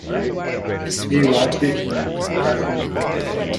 She watched him, fascinated.